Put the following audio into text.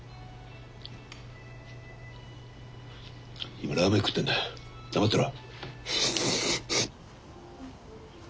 今ラーメン食ってんだ黙ってろ。